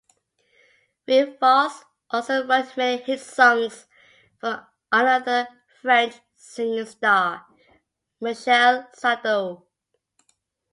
Revaux also wrote many hit songs for another French singing star, Michel Sardou.